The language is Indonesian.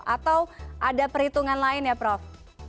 atau ada perhitungan lain ya prof